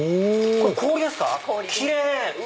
これ氷ですか⁉奇麗！